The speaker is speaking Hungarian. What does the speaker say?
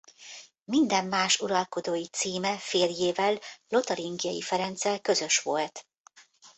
Minden más uralkodói címe férjével Lotaringiai Ferenccel közös volt.